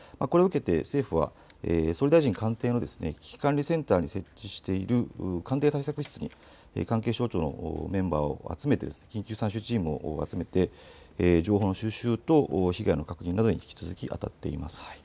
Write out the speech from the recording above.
これを受けて政府は総理大臣官邸の危機管理センターに設置している官邸対策室に関係省庁のメンバーによる緊急参集チームを集めて情報の収集と被害の確認などに引き続きあたっています。